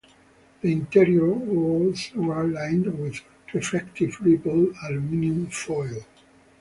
The interior walls were lined with reflective rippled aluminium foil.